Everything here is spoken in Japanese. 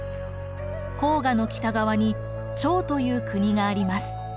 黄河の北側に趙という国があります。